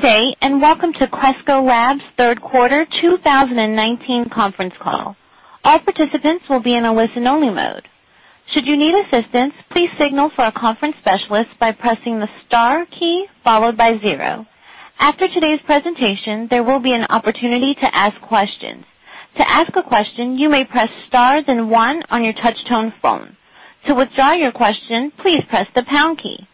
Good day, and welcome to Cresco Labs' Third Quarter 2019 Conference Call. All participants will be in a listen-only mode. Should you need assistance, please signal for a conference specialist by pressing the star key followed by zero. After today's presentation, there will be an opportunity to ask questions. To ask a question, you may press star, then one on your touchtone phone. To withdraw your question, please press the pound key.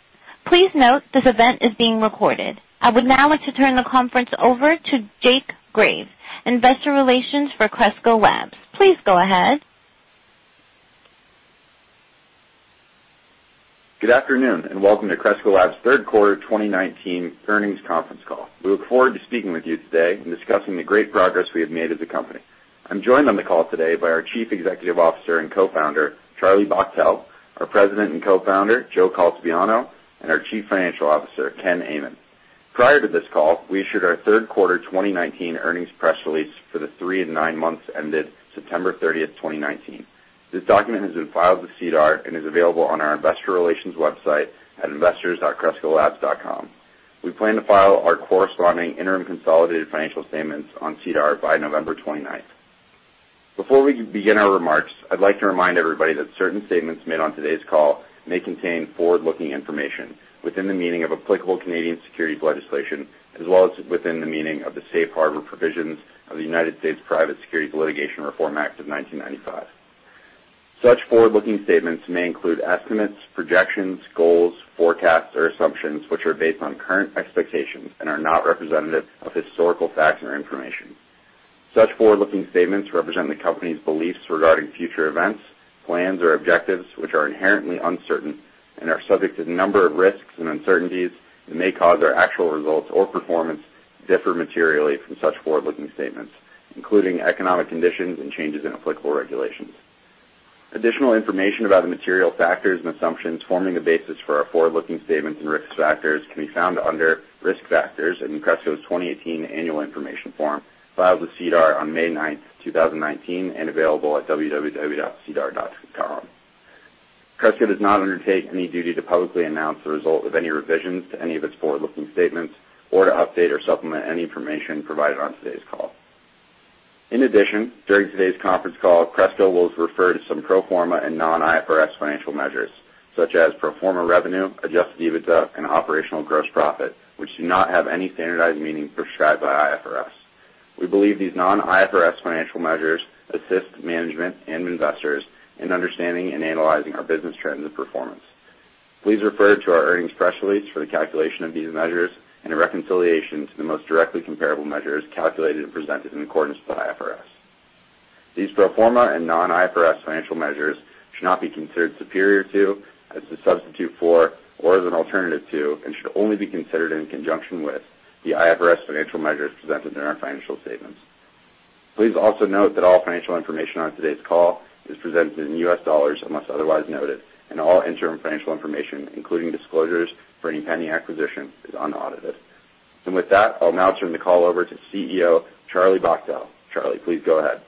Please note, this event is being recorded. I would now like to turn the conference over to Jake Graves, Investor Relations for Cresco Labs. Please go ahead. Good afternoon, and welcome to Cresco Labs' Third Quarter 2019 Earnings Conference Call. We look forward to speaking with you today and discussing the great progress we have made as a company. I'm joined on the call today by our Chief Executive Officer and Co-founder, Charlie Bachtell, our President and Co-founder, Joe Caltabiano, and our Chief Financial Officer, Ken Amann. Prior to this call, we issued our third quarter twenty nineteen earnings press release for the three and nine months ended September thirtieth, twenty nineteen. This document has been filed with SEDAR and is available on our investor relations website at investors.crescolabs.com. We plan to file our corresponding interim consolidated financial statements on SEDAR by November 29th. Before we begin our remarks, I'd like to remind everybody that certain statements made on today's call may contain forward-looking information within the meaning of applicable Canadian securities legislation, as well as within the meaning of the Safe Harbor Provisions of the United States Private Securities Litigation Reform Act of 1995. Such forward-looking statements may include estimates, projections, goals, forecasts, or assumptions, which are based on current expectations and are not representative of historical facts or information. Such forward-looking statements represent the company's beliefs regarding future events, plans, or objectives, which are inherently uncertain and are subject to a number of risks and uncertainties that may cause our actual results or performance to differ materially from such forward-looking statements, including economic conditions and changes in applicable regulations. Additional information about the material factors and assumptions forming the basis for our forward-looking statements and risk factors can be found under Risk Factors in Cresco's 2018 Annual Information Form, filed with SEDAR on May ninth, 2019, and available at www.sedar.com. Cresco does not undertake any duty to publicly announce the result of any revisions to any of its forward-looking statements or to update or supplement any information provided on today's call. In addition, during today's conference call, Cresco will refer to some pro forma and non-IFRS financial measures, such as pro forma revenue, Adjusted EBITDA, and operational gross profit, which do not have any standardized meaning prescribed by IFRS. We believe these non-IFRS financial measures assist management and investors in understanding and analyzing our business trends and performance. Please refer to our earnings press release for the calculation of these measures and a reconciliation to the most directly comparable measures calculated and presented in accordance with IFRS. These pro forma and non-IFRS financial measures should not be considered superior to, as a substitute for, or as an alternative to, and should only be considered in conjunction with the IFRS financial measures presented in our financial statements. Please also note that all financial information on today's call is presented in US dollars, unless otherwise noted, and all interim financial information, including disclosures for any pending acquisition, is unaudited, and with that, I'll now turn the call over to CEO Charlie Bachtell. Charlie, please go ahead.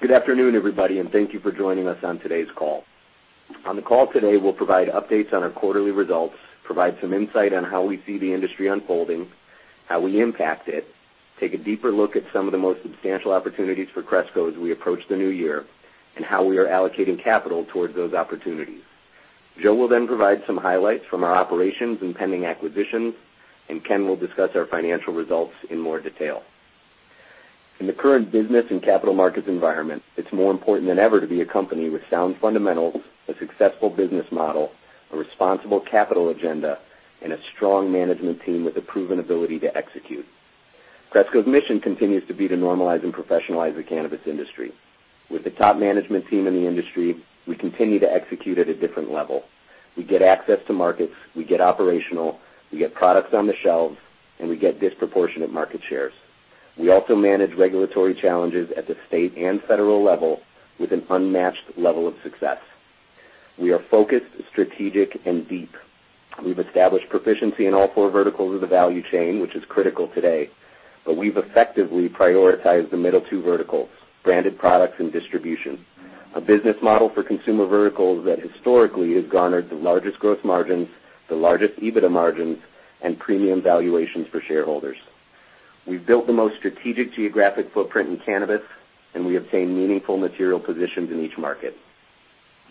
Good afternoon, everybody, and thank you for joining us on today's call. On the call today, we'll provide updates on our quarterly results, provide some insight on how we see the industry unfolding, how we impact it, take a deeper look at some of the most substantial opportunities for Cresco as we approach the new year, and how we are allocating capital towards those opportunities. Joe will then provide some highlights from our operations and pending acquisitions, and Ken will discuss our financial results in more detail. In the current business and capital markets environment, it's more important than ever to be a company with sound fundamentals, a successful business model, a responsible capital agenda, and a strong management team with a proven ability to execute. Cresco's mission continues to be to normalize and professionalize the cannabis industry. With the top management team in the industry, we continue to execute at a different level. We get access to markets, we get operational, we get products on the shelves, and we get disproportionate market shares. We also manage regulatory challenges at the state and federal level with an unmatched level of success. We are focused, strategic, and deep. We've established proficiency in all four verticals of the value chain, which is critical today, but we've effectively prioritized the middle two verticals, branded products and distribution, a business model for consumer verticals that historically has garnered the largest growth margins, the largest EBITDA margins, and premium valuations for shareholders. We've built the most strategic geographic footprint in cannabis, and we obtain meaningful material positions in each market.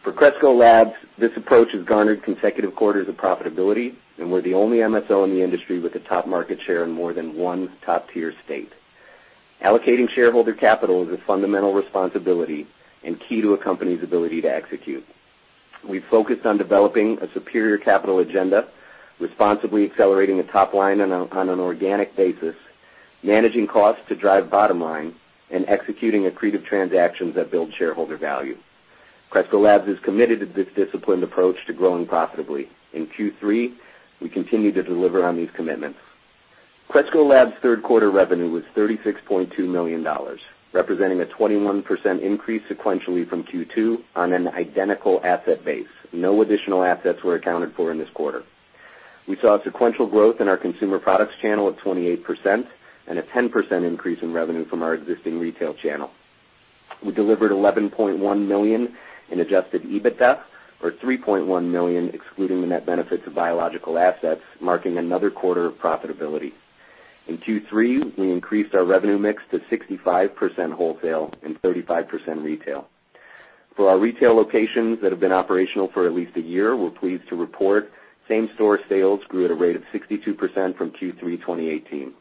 For Cresco Labs, this approach has garnered consecutive quarters of profitability, and we're the only MSO in the industry with a top market share in more than one top-tier state. Allocating shareholder capital is a fundamental responsibility and key to a company's ability to execute. We've focused on developing a superior capital agenda, responsibly accelerating the top line on an organic basis, managing costs to drive bottom line, and executing accretive transactions that build shareholder value. Cresco Labs is committed to this disciplined approach to growing profitably. In Q3, we continued to deliver on these commitments. Cresco Labs' third quarter revenue was $36.2 million, representing a 21% increase sequentially from Q2 on an identical asset base. No additional assets were accounted for in this quarter. We saw a sequential growth in our consumer products channel of 28% and a 10% increase in revenue from our existing retail channel. We delivered $11.1 million in adjusted EBITDA, or $3.1 million, excluding the net benefits of biological assets, marking another quarter of profitability. In Q3, we increased our revenue mix to 65% wholesale and 35% retail. For our retail locations that have been operational for at least a year, we're pleased to report same-store sales grew at a rate of 62% from Q3 2018.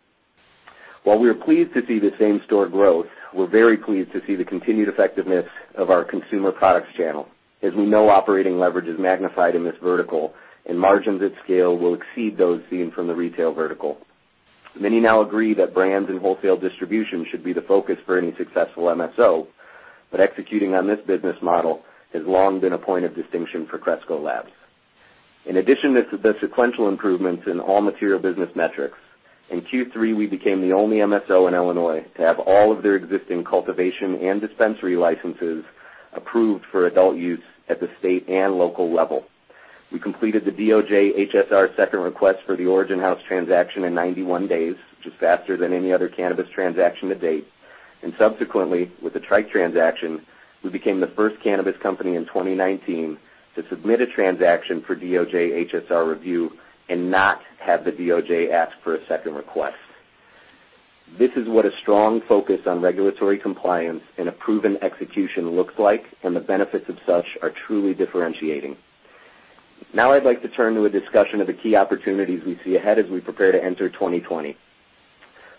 While we are pleased to see the same-store growth, we're very pleased to see the continued effectiveness of our consumer products channel. As we know, operating leverage is magnified in this vertical, and margins at scale will exceed those seen from the retail vertical. Many now agree that brands and wholesale distribution should be the focus for any successful MSO, but executing on this business model has long been a point of distinction for Cresco Labs. In addition to the sequential improvements in all material business metrics, in Q3, we became the only MSO in Illinois to have all of their existing cultivation and dispensary licenses approved for adult use at the state and local level. We completed the DOJ HSR second request for the Origin House transaction in ninety-one days, which is faster than any other cannabis transaction to date, and subsequently, with the Tryke transaction, we became the first cannabis company in 2019 to submit a transaction for DOJ HSR review and not have the DOJ ask for a second request. This is what a strong focus on regulatory compliance and a proven execution looks like, and the benefits of such are truly differentiating. Now, I'd like to turn to a discussion of the key opportunities we see ahead as we prepare to enter 2020.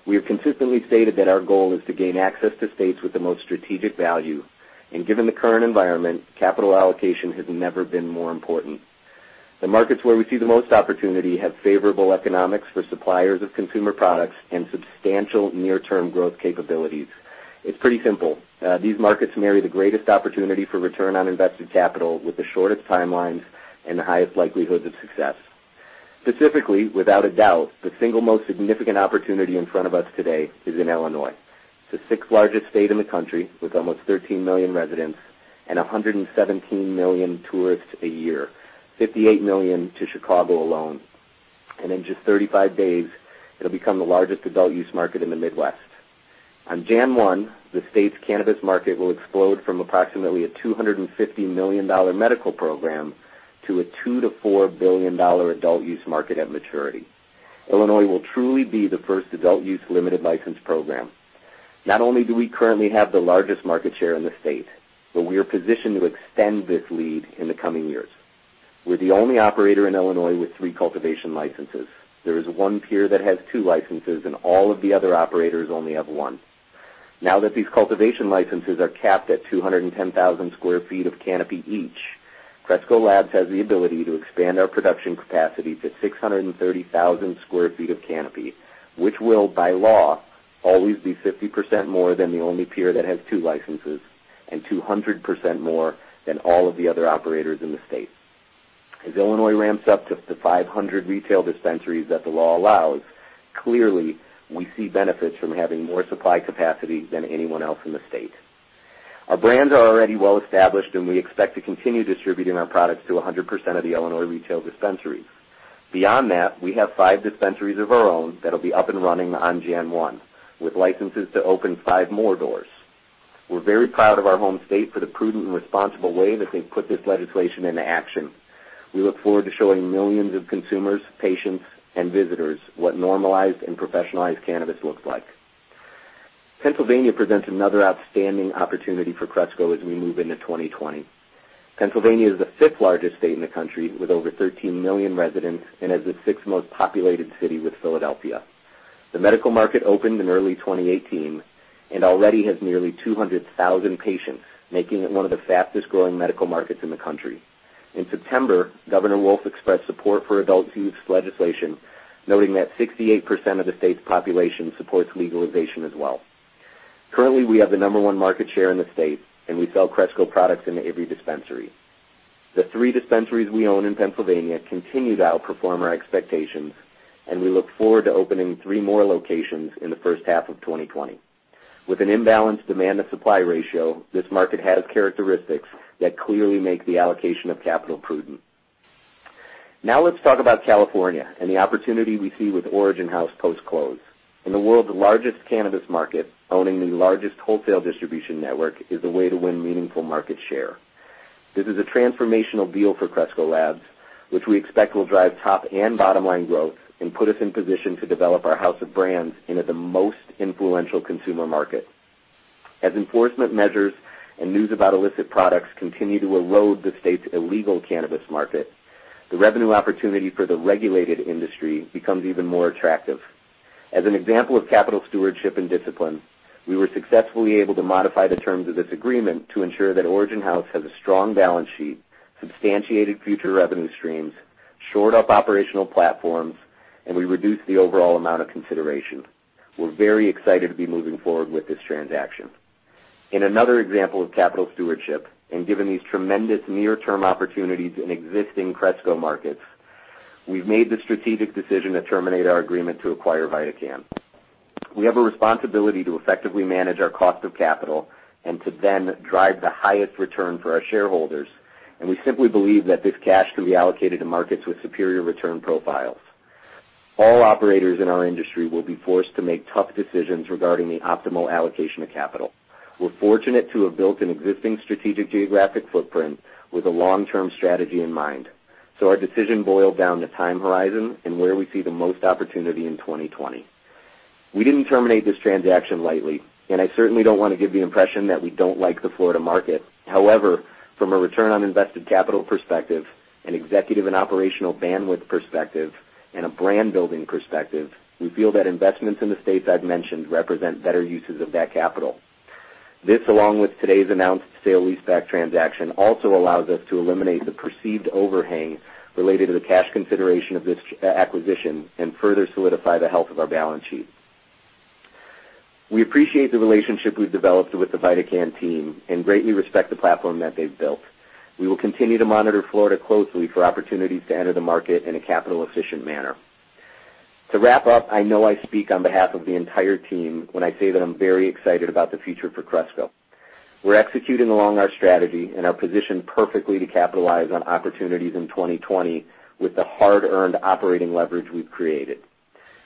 We have consistently stated that our goal is to gain access to states with the most strategic value, and given the current environment, capital allocation has never been more important. The markets where we see the most opportunity have favorable economics for suppliers of consumer products and substantial near-term growth capabilities. It's pretty simple. These markets marry the greatest opportunity for return on invested capital with the shortest timelines and the highest likelihood of success. Specifically, without a doubt, the single most significant opportunity in front of us today is in Illinois, the sixth-largest state in the country, with almost 13 million residents and 117 million tourists a year, 58 million to Chicago alone. And in just 35 days, it'll become the largest adult use market in the Midwest. On January 1, the state's cannabis market will explode from approximately a $250 million medical program to a $2 billion-$4 billion adult-use market at maturity. Illinois will truly be the first adult use limited license program. Not only do we currently have the largest market share in the state, but we are positioned to extend this lead in the coming years. We're the only operator in Illinois with three cultivation licenses. There is one peer that has two licenses, and all of the other operators only have one. Now that these cultivation licenses are capped at 210,000 sq ft of canopy each, Cresco Labs has the ability to expand our production capacity to 630,000 sq ft of canopy, which will, by law, always be 50% more than the only peer that has two licenses and 200% more than all of the other operators in the state. As Illinois ramps up to the 500 retail dispensaries that the law allows, clearly, we see benefits from having more supply capacity than anyone else in the state. Our brands are already well established, and we expect to continue distributing our products to 100% of the Illinois retail dispensaries. Beyond that, we have five dispensaries of our own that'll be up and running on January 1, with licenses to open five more doors. We're very proud of our home state for the prudent and responsible way that they've put this legislation into action. We look forward to showing millions of consumers, patients, and visitors what normalized and professionalized cannabis looks like. Pennsylvania presents another outstanding opportunity for Cresco as we move into 2020. Pennsylvania is the fifth-largest state in the country, with over 13 million residents and has the sixth most populated city with Philadelphia. The medical market opened in early 2018 and already has nearly 200,000 patients, making it one of the fastest-growing medical markets in the country. In September, Governor Wolf expressed support for adult-use legislation, noting that 68% of the state's population supports legalization as well. Currently, we have the number one market share in the state, and we sell Cresco products into every dispensary. The three dispensaries we own in Pennsylvania continue to outperform our expectations, and we look forward to opening three more locations in the first half of 2020. With an imbalanced demand to supply ratio, this market has characteristics that clearly make the allocation of capital prudent. Now, let's talk about California and the opportunity we see with Origin House post-close. In the world's largest cannabis market, owning the largest wholesale distribution network is the way to win meaningful market share. This is a transformational deal for Cresco Labs, which we expect will drive top and bottom-line growth and put us in position to develop our house of brands into the most influential consumer market. As enforcement measures and news about illicit products continue to erode the state's illegal cannabis market, the revenue opportunity for the regulated industry becomes even more attractive. As an example of capital stewardship and discipline, we were successfully able to modify the terms of this agreement to ensure that Origin House has a strong balance sheet, substantiated future revenue streams, shored up operational platforms, and we reduced the overall amount of consideration. We're very excited to be moving forward with this transaction. In another example of capital stewardship, and given these tremendous near-term opportunities in existing Cresco markets, we've made the strategic decision to terminate our agreement to acquire VidaCann.... We have a responsibility to effectively manage our cost of capital and to then drive the highest return for our shareholders, and we simply believe that this cash can be allocated to markets with superior return profiles. All operators in our industry will be forced to make tough decisions regarding the optimal allocation of capital. We're fortunate to have built an existing strategic geographic footprint with a long-term strategy in mind, so our decision boiled down to time horizon and where we see the most opportunity in 2020. We didn't terminate this transaction lightly, and I certainly don't want to give the impression that we don't like the Florida market. However, from a return on invested capital perspective, an executive and operational bandwidth perspective, and a brand-building perspective, we feel that investments in the states I've mentioned represent better uses of that capital. This, along with today's announced sale-leaseback transaction, also allows us to eliminate the perceived overhang related to the cash consideration of this acquisition and further solidify the health of our balance sheet. We appreciate the relationship we've developed with the VidaCann team and greatly respect the platform that they've built. We will continue to monitor Florida closely for opportunities to enter the market in a capital-efficient manner. To wrap up, I know I speak on behalf of the entire team when I say that I'm very excited about the future for Cresco. We're executing along our strategy and are positioned perfectly to capitalize on opportunities in twenty twenty with the hard-earned operating leverage we've created.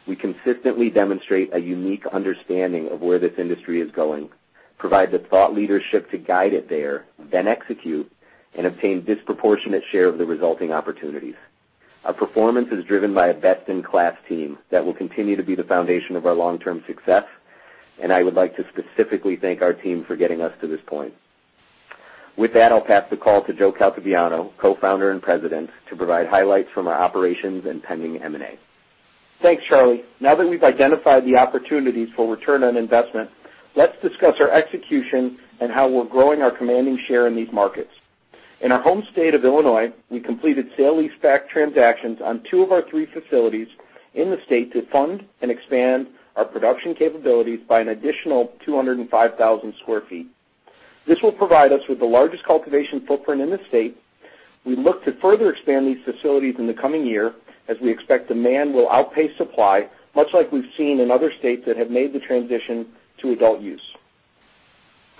We consistently demonstrate a unique understanding of where this industry is going, provide the thought leadership to guide it there, then execute and obtain disproportionate share of the resulting opportunities. Our performance is driven by a best-in-class team that will continue to be the foundation of our long-term success, and I would like to specifically thank our team for getting us to this point. With that, I'll pass the call to Joe Caltabiano, Co-founder and President, to provide highlights from our operations and pending M&A. Thanks, Charlie. Now that we've identified the opportunities for return on investment, let's discuss our execution and how we're growing our commanding share in these markets. In our home state of Illinois, we completed sale-leaseback transactions on two of our three facilities in the state to fund and expand our production capabilities by an additional 205,000 sq ft. This will provide us with the largest cultivation footprint in the state. We look to further expand these facilities in the coming year, as we expect demand will outpace supply, much like we've seen in other states that have made the transition to adult use.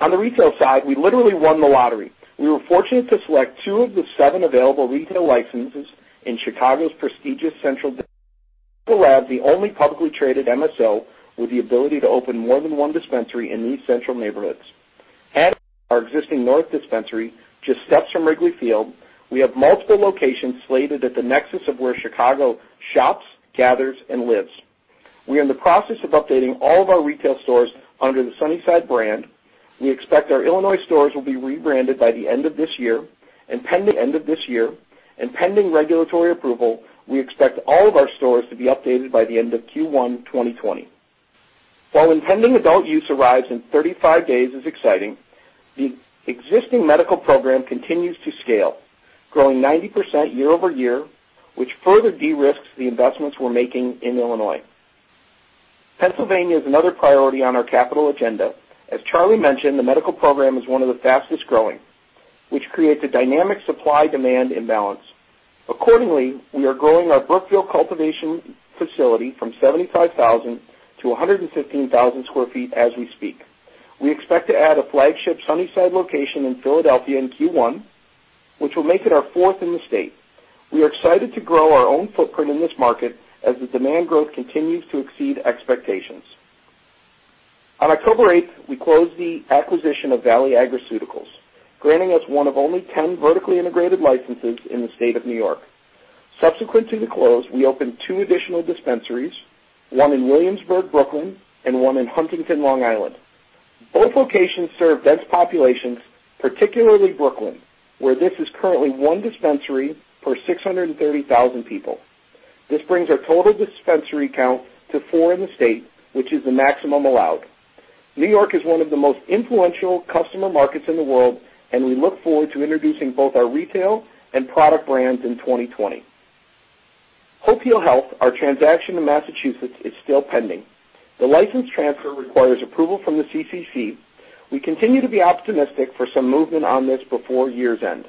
On the retail side, we literally won the lottery. We were fortunate to select two of the seven available retail licenses in Chicago's prestigious Central, the only publicly traded MSO with the ability to open more than one dispensary in these Central neighborhoods. Adding our existing north dispensary, just steps from Wrigley Field, we have multiple locations slated at the nexus of where Chicago shops, gathers, and lives. We are in the process of updating all of our retail stores under the Sunnyside brand. We expect our Illinois stores will be rebranded by the end of this year, and pending regulatory approval, we expect all of our stores to be updated by the end of Q1 2020. While impending adult-use arrives in 35 days is exciting, the existing medical program continues to scale, growing 90% year over year, which further de-risks the investments we're making in Illinois. Pennsylvania is another priority on our capital agenda. As Charlie mentioned, the medical program is one of the fastest growing, which creates a dynamic supply-demand imbalance. Accordingly, we are growing our Brookfield cultivation facility from 75,000 sq ft-115,000 sq ft as we speak. We expect to add a flagship Sunnyside location in Philadelphia in Q1, which will make it our fourth in the state. We are excited to grow our own footprint in this market as the demand growth continues to exceed expectations. On October 8, we closed the acquisition of Valley Agriceuticals, granting us one of only 10 vertically integrated licenses in the state of New York. Subsequent to the close, we opened two additional dispensaries, one in Williamsburg, Brooklyn, and one in Huntington, Long Island. Both locations serve dense populations, particularly Brooklyn, where this is currently one dispensary per 630,000 people. This brings our total dispensary count to four in the state, which is the maximum allowed. New York is one of the most influential customer markets in the world, and we look forward to introducing both our retail and product brands in 2020. Hope Heal Health, our transaction in Massachusetts, is still pending. The license transfer requires approval from the CCC. We continue to be optimistic for some movement on this before year's end.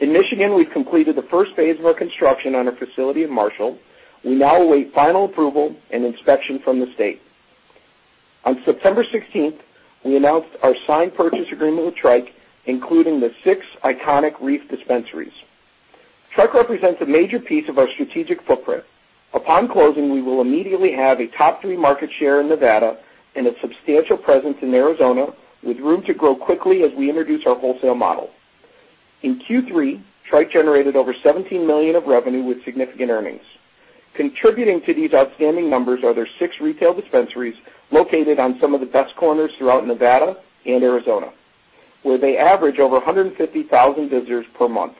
In Michigan, we've completed the first phase of our construction on our facility in Marshall. We now await final approval and inspection from the state. On September sixteenth, we announced our signed purchase agreement with Tryke, including the six iconic Reef Dispensaries. Tryke represents a major piece of our strategic footprint. Upon closing, we will immediately have a top three market share in Nevada and a substantial presence in Arizona, with room to grow quickly as we introduce our wholesale model. In Q3, Tryke generated over $17 million of revenue with significant earnings. Contributing to these outstanding numbers are their six retail dispensaries located on some of the best corners throughout Nevada and Arizona, where they average over 150,000 visitors per month.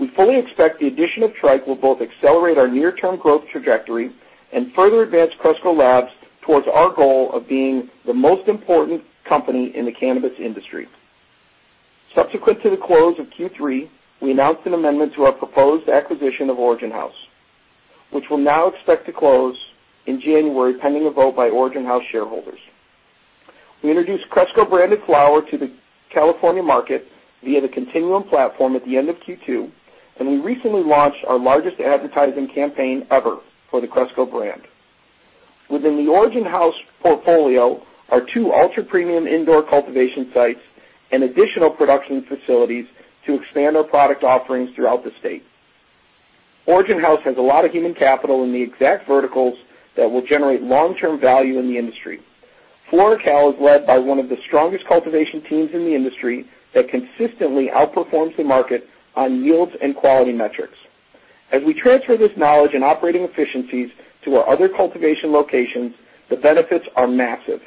We fully expect the addition of Tryke will both accelerate our near-term growth trajectory and further advance Cresco Labs towards our goal of being the most important company in the cannabis industry. Subsequent to the close of Q3, we announced an amendment to our proposed acquisition of Origin House, which we'll now expect to close in January, pending a vote by Origin House shareholders. We introduced Cresco-branded flower to the California market via the Continuum platform at the end of Q2, and we recently launched our largest advertising campaign ever for the Cresco brand. Within the Origin House portfolio are two ultra-premium indoor cultivation sites and additional production facilities to expand our product offerings throughout the state. Origin House has a lot of human capital in the exact verticals that will generate long-term value in the industry. FloraCal is led by one of the strongest cultivation teams in the industry that consistently outperforms the market on yields and quality metrics. As we transfer this knowledge and operating efficiencies to our other cultivation locations, the benefits are massive.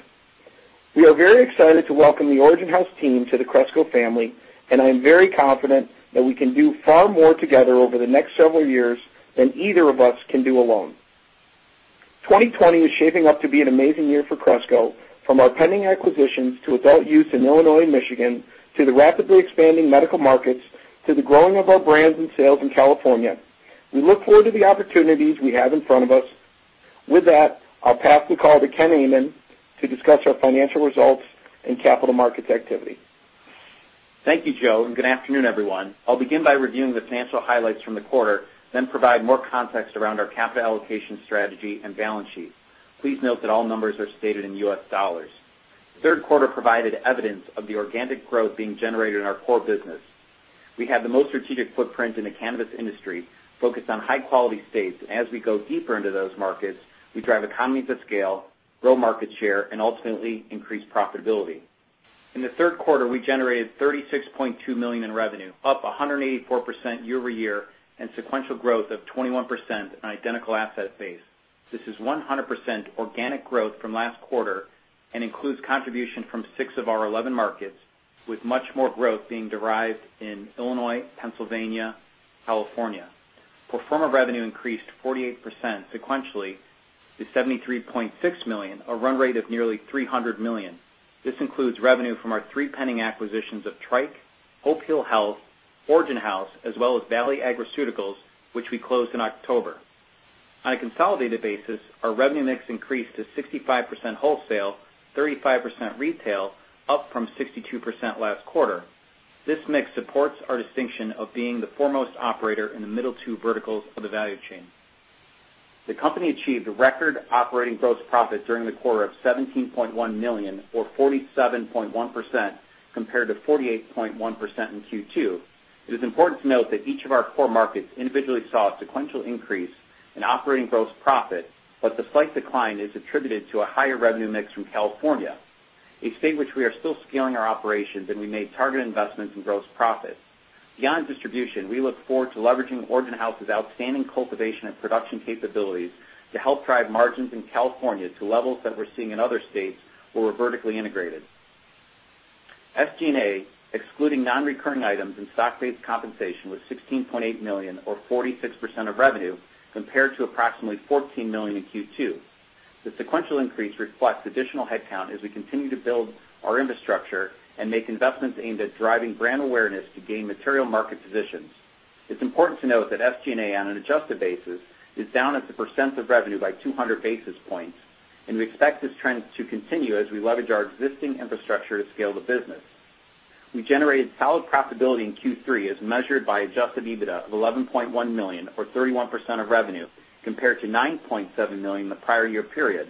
We are very excited to welcome the Origin House team to the Cresco family, and I am very confident that we can do far more together over the next several years than either of us can do alone. 2020 is shaping up to be an amazing year for Cresco, from our pending acquisitions to adult use in Illinois and Michigan, to the rapidly expanding medical markets, to the growing of our brands and sales in California. We look forward to the opportunities we have in front of us. With that, I'll pass the call to Ken Amann to discuss our financial results and capital markets activity. Thank you, Joe, and good afternoon, everyone. I'll begin by reviewing the financial highlights from the quarter, then provide more context around our capital allocation strategy and balance sheet. Please note that all numbers are stated in U.S. dollars. Third quarter provided evidence of the organic growth being generated in our core business. We have the most strategic footprint in the cannabis industry, focused on high-quality states, and as we go deeper into those markets, we drive economies of scale, grow market share, and ultimately increase profitability. In the third quarter, we generated $36.2 million in revenue, up 184% year-over-year, and sequential growth of 21% on identical asset base. This is 100% organic growth from last quarter and includes contribution from six of our 11 markets, with much more growth being derived in Illinois, Pennsylvania, California. Pro forma revenue increased 48% sequentially to $73.6 million, a run rate of nearly $300 million. This includes revenue from our three pending acquisitions of Tryke, Hope Heal Health, Origin House, as well as Valley Agriceuticals, which we closed in October. On a consolidated basis, our revenue mix increased to 65% wholesale, 35% retail, up from 62% last quarter. This mix supports our distinction of being the foremost operator in the middle two verticals of the value chain. The company achieved a record operating gross profit during the quarter of $17.1 million, or 47.1%, compared to 48.1% in Q2. It is important to note that each of our core markets individually saw a sequential increase in operating gross profit, but the slight decline is attributed to a higher revenue mix from California, a state which we are still scaling our operations and we made targeted investments in gross profits. Beyond distribution, we look forward to leveraging Origin House's outstanding cultivation and production capabilities to help drive margins in California to levels that we're seeing in other states where we're vertically integrated. SG&A, excluding non-recurring items and stock-based compensation, was $16.8 million, or 46% of revenue, compared to approximately $14 million in Q2. The sequential increase reflects additional headcount as we continue to build our infrastructure and make investments aimed at driving brand awareness to gain material market positions. It's important to note that SG&A, on an adjusted basis, is down as a percent of revenue by 200 basis points, and we expect this trend to continue as we leverage our existing infrastructure to scale the business. We generated solid profitability in Q3, as measured by adjusted EBITDA of $11.1 million, or 31% of revenue, compared to $9.7 million in the prior year period.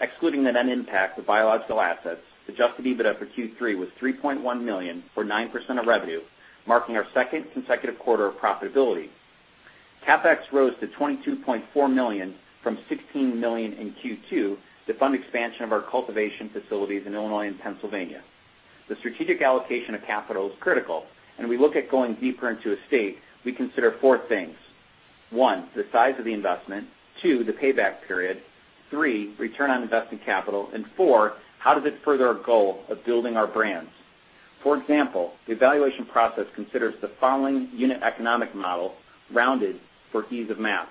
Excluding the net impact of biological assets, adjusted EBITDA for Q3 was $3.1 million, or 9% of revenue, marking our second consecutive quarter of profitability. CapEx rose to $22.4 million from $16 million in Q2 to fund expansion of our cultivation facilities in Illinois and Pennsylvania. The strategic allocation of capital is critical, and when we look at going deeper into a state, we consider four things. One, the size of the investment, two, the payback period, three, return on invested capital, and four, how does it further our goal of building our brands? For example, the evaluation process considers the following unit economic model, rounded for ease of math.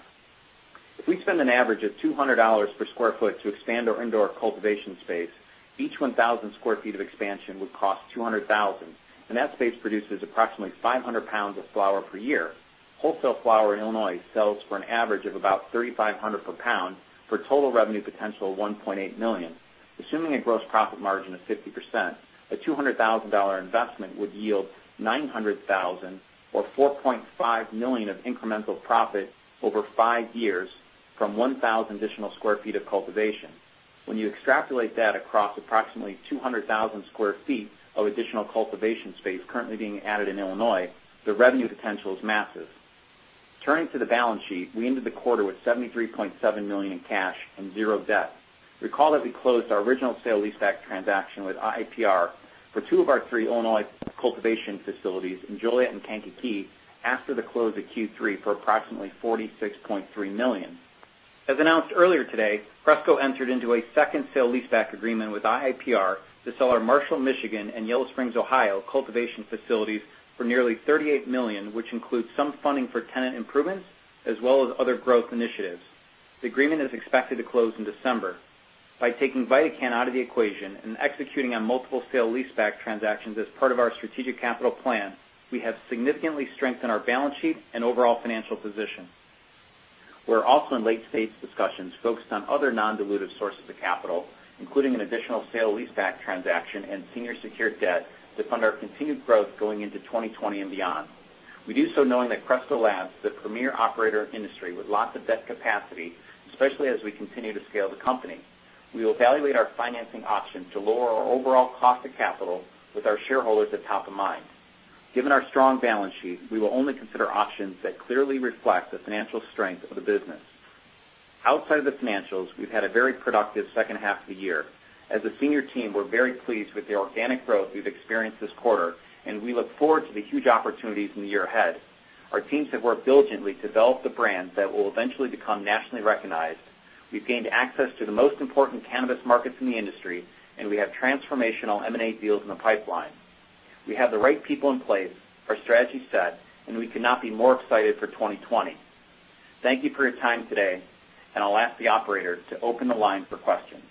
If we spend an average of $200 per sq ft to expand our indoor cultivation space, each 1,000 sq ft of expansion would cost $200,000, and that space produces approximately 500 lbs of flower per year. Wholesale flower in Illinois sells for an average of about $3,500 per lbs, for a total revenue potential of $1.8 million. Assuming a gross profit margin of 60%, a $200,000 investment would yield $900,000 or $4.5 million of incremental profit over five years from 1,000 additional sq ft of cultivation. When you extrapolate that across approximately 200,000 sq ft of additional cultivation space currently being added in Illinois, the revenue potential is massive. Turning to the balance sheet, we ended the quarter with $73.7 million in cash and zero debt. Recall that we closed our original sale-leaseback transaction with IIPR for two of our three Illinois cultivation facilities in Joliet and Kankakee after the close of Q3 for approximately $46.3 million. As announced earlier today, Cresco entered into a second sale-leaseback agreement with IIPR to sell our Marshall, Michigan, and Yellow Springs, Ohio, cultivation facilities for nearly $38 million, which includes some funding for tenant improvements as well as other growth initiatives. The agreement is expected to close in December. By taking VidaCann out of the equation and executing on multiple sale-leaseback transactions as part of our strategic capital plan, we have significantly strengthened our balance sheet and overall financial position. We're also in late-stage discussions focused on other non-dilutive sources of capital, including an additional sale-leaseback transaction and senior secured debt to fund our continued growth going into 2020 and beyond. We do so knowing that Cresco Labs is the premier operator in the industry with lots of debt capacity, especially as we continue to scale the company. We will evaluate our financing options to lower our overall cost of capital with our shareholders at top of mind. Given our strong balance sheet, we will only consider options that clearly reflect the financial strength of the business. Outside of the financials, we've had a very productive second half of the year. As a senior team, we're very pleased with the organic growth we've experienced this quarter, and we look forward to the huge opportunities in the year ahead. Our teams have worked diligently to develop the brands that will eventually become nationally recognized. We've gained access to the most important cannabis markets in the industry, and we have transformational M&A deals in the pipeline. We have the right people in place, our strategy set, and we could not be more excited for 2020. Thank you for your time today, and I'll ask the operator to open the line for questions.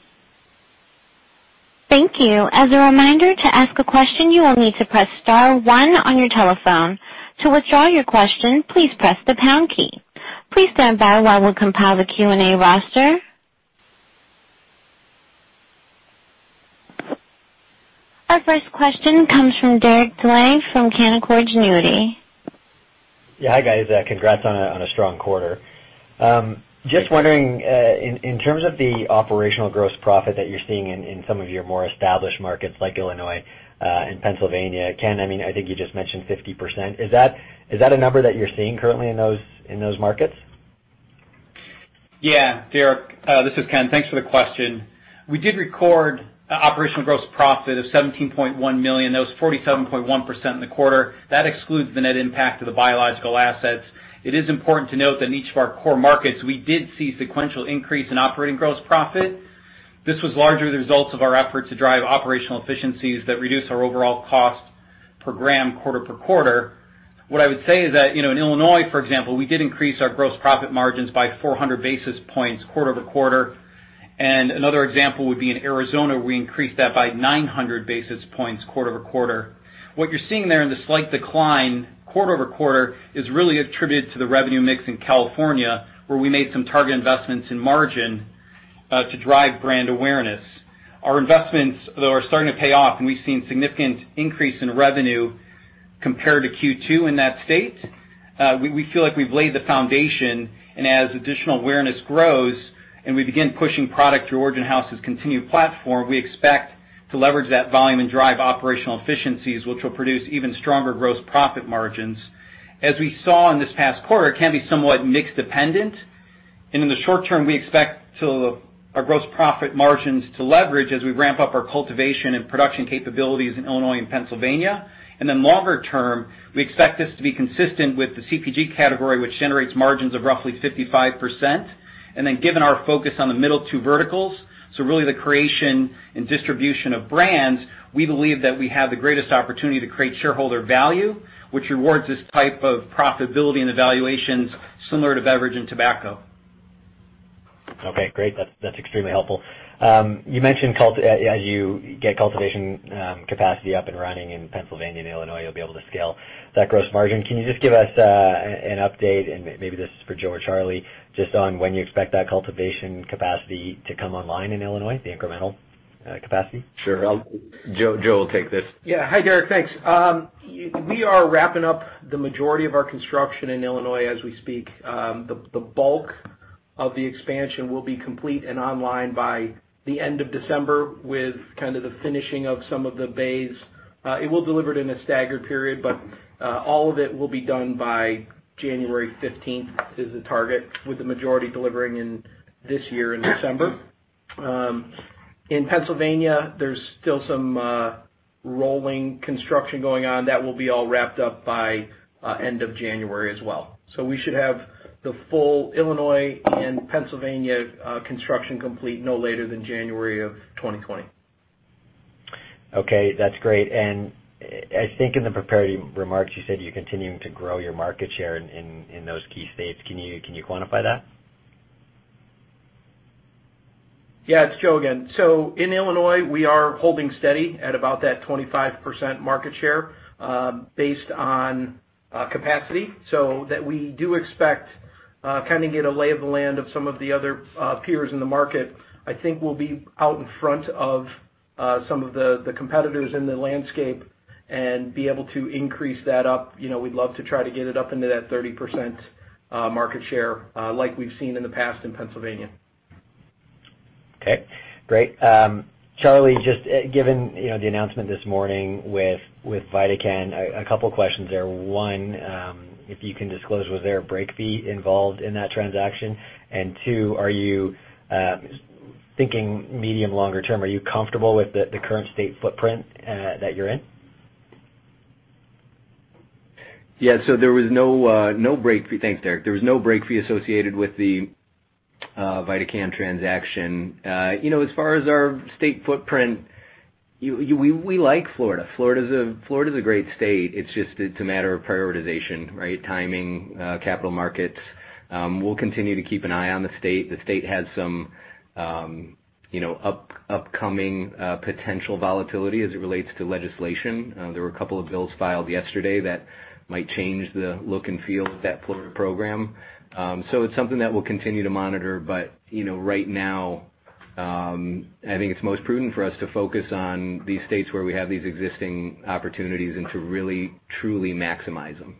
Thank you. As a reminder, to ask a question, you will need to press star one on your telephone. To withdraw your question, please press the pound key. Please stand by while we compile the Q&A roster. Our first question comes from Derek Dley from Canaccord Genuity. Yeah. Hi, guys. Congrats on a strong quarter. Just wondering, in terms of the operational gross profit that you're seeing in some of your more established markets like Illinois and Pennsylvania, Ken, I mean, I think you just mentioned 50%. Is that a number that you're seeing currently in those markets? Yeah, Derek, this is Ken. Thanks for the question. We did record operational gross profit of $17.1 million. That was 47.1% in the quarter. That excludes the net impact of the biological assets. It is important to note that in each of our core markets, we did see sequential increase in operating gross profit. This was largely the results of our effort to drive operational efficiencies that reduce our overall cost per gram, quarter per quarter. What I would say is that, you know, in Illinois, for example, we did increase our gross profit margins by 400 basis points quarter over quarter. And another example would be in Arizona, where we increased that by 900 basis points quarter over quarter. What you're seeing there in the slight decline quarter over quarter is really attributed to the revenue mix in California, where we made some target investments in margin to drive brand awareness. Our investments, though, are starting to pay off, and we've seen significant increase in revenue compared to Q2 in that state. We feel like we've laid the foundation, and as additional awareness grows and we begin pushing product through Origin House's Continuum platform, we expect to leverage that volume and drive operational efficiencies, which will produce even stronger gross profit margins. As we saw in this past quarter, it can be somewhat mix dependent, and in the short term, we expect our gross profit margins to leverage as we ramp up our cultivation and production capabilities in Illinois and Pennsylvania. And then longer term, we expect this to be consistent with the CPG category, which generates margins of roughly 55%. And then given our focus on the middle two verticals, so really the creation and distribution of brands, we believe that we have the greatest opportunity to create shareholder value, which rewards this type of profitability and valuations similar to beverage and tobacco. Okay, great. That's, that's extremely helpful. You mentioned as you get cultivation capacity up and running in Pennsylvania and Illinois, you'll be able to scale that gross margin. Can you just give us an update, and maybe this is for Joe or Charlie, just on when you expect that cultivation capacity to come online in Illinois, the incremental capacity? Sure. Joe, Joe will take this. Yeah. Hi, Derek. Thanks. We are wrapping up the majority of our construction in Illinois as we speak. The bulk of the expansion will be complete and online by the end of December, with kind of the finishing of some of the bays. It will deliver it in a staggered period, but all of it will be done by January fifteenth, is the target, with the majority delivering in this year in December. In Pennsylvania, there's still some rolling construction going on. That will be all wrapped up by end of January as well. So we should have the full Illinois and Pennsylvania construction complete no later than January of 2020. Okay, that's great. And I think in the prepared remarks, you said you're continuing to grow your market share in those key states. Can you quantify that? Yeah, it's Joe again. So in Illinois, we are holding steady at about that 25% market share, based on capacity. So that we do expect kind of get a lay of the land of some of the other peers in the market. I think we'll be out in front of some of the competitors in the landscape and be able to increase that up. You know, we'd love to try to get it up into that 30% market share, like we've seen in the past in Pennsylvania. Okay, great. Charlie, just, given, you know, the announcement this morning with VidaCann, a couple questions there. One, if you can disclose, was there a break fee involved in that transaction? And two, are you thinking medium, longer term, are you comfortable with the current state footprint that you're in? Yeah, so there was no break fee. Thanks, Derek. There was no break fee associated with the VidaCann transaction. You know, as far as our state footprint, we like Florida. Florida's a great state. It's just a matter of prioritization, right? Timing, capital markets. We'll continue to keep an eye on the state. The state has some upcoming potential volatility as it relates to legislation. There were a couple of bills filed yesterday that might change the look and feel of that Florida program. So it's something that we'll continue to monitor, but you know, right now I think it's most prudent for us to focus on these states where we have these existing opportunities and to really, truly maximize them.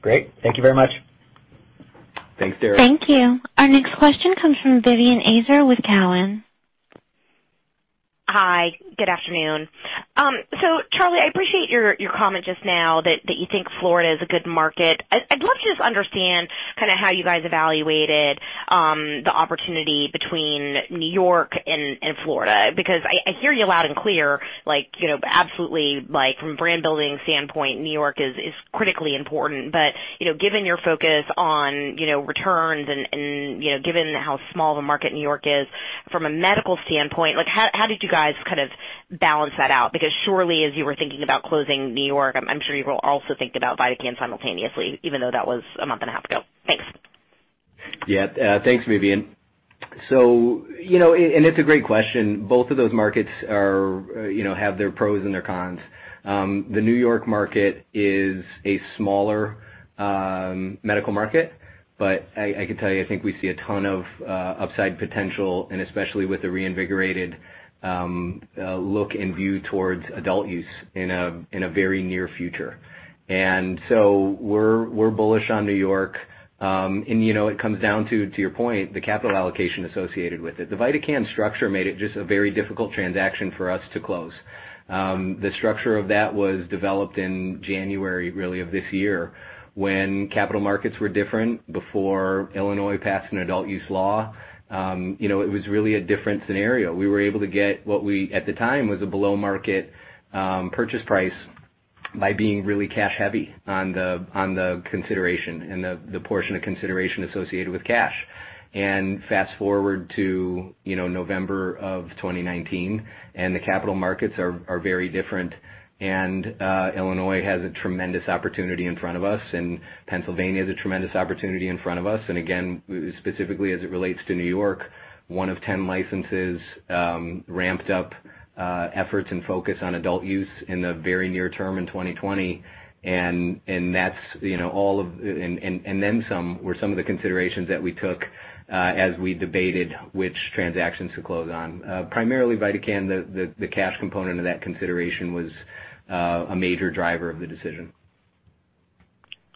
Great. Thank you very much. Thanks, Derek. Thank you. Our next question comes from Vivien Azer with Cowen. Hi, good afternoon. So Charlie, I appreciate your comment just now that you think Florida is a good market. I'd love to just understand kind of how you guys evaluated the opportunity between New York and Florida, because I hear you loud and clear, like, you know, absolutely, like, from a brand building standpoint, New York is critically important. But, you know, given your focus on, you know, returns and, you know, given how small the market in New York is from a medical standpoint, like, how did you guys kind of balance that out? Because surely, as you were thinking about closing New York, I'm sure you were also thinking about VidaCann simultaneously, even though that was a month and a half ago. Thanks. Yeah. Thanks, Vivien. So, you know, and it's a great question. Both of those markets are, you know, have their pros and their cons. The New York market is a smaller, medical market, but I can tell you, I think we see a ton of upside potential, and especially with the reinvigorated look and view towards adult use in a very near future. And so we're bullish on New York. And, you know, it comes down to your point, the capital allocation associated with it. The VidaCann structure made it just a very difficult transaction for us to close. The structure of that was developed in January, really, of this year, when capital markets were different before Illinois passed an adult use law. You know, it was really a different scenario. We were able to get what we, at the time, was a below market purchase price by being really cash heavy on the consideration and the portion of consideration associated with cash. Fast forward to, you know, November of 2019, and the capital markets are very different. Illinois has a tremendous opportunity in front of us, and Pennsylvania has a tremendous opportunity in front of us. Again, specifically as it relates to New York, one of 10 licenses ramped up efforts and focus on adult-use in the very near term in 2020. That's, you know, all of and then some were some of the considerations that we took as we debated which transactions to close on. Primarily, VidaCann, the cash component of that consideration was a major driver of the decision.